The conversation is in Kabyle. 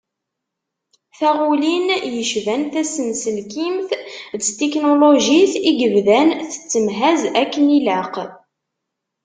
Taɣulin yecban tasenselkimt d tetiknulujit i yebdan tettemhaz akken ilaq.